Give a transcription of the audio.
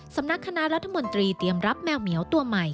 สำนักคณะรัฐมนตรีเตรียมรับแมวเหมียวตัวใหม่